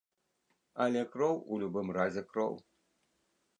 Але кроў у любым разе кроў.